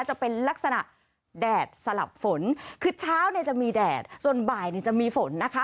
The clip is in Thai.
จะเป็นลักษณะแดดสลับฝนคือเช้าเนี่ยจะมีแดดส่วนบ่ายเนี่ยจะมีฝนนะคะ